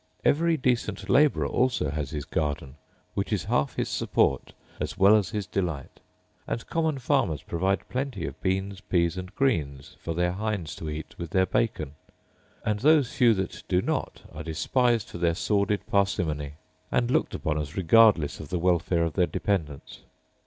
Every decent labourer also has his garden, which is half his support, as well as his delight; and common farmers provide plenty of beans, peas, and greens, for their hinds to eat with their bacon; and those few that do not are despised for their sordid parsimony, and looked upon as regardless of the welfare of their dependents.